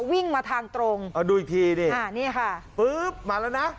วิ่งมาทางตรงเอาดูอีกทีดิอ่านี่ค่ะปุ๊บมาแล้วนะ